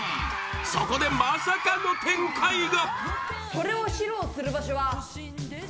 そこでまさかの展開が！